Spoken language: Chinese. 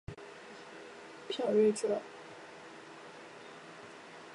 卜睿哲。